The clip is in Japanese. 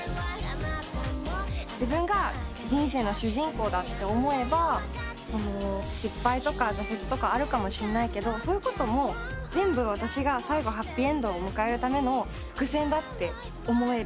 自分が人生の主人公だと思えば失敗とか挫折とかあるかもしれないけどそういうことも全部私が最後ハッピーエンドを迎えるための伏線だって思える。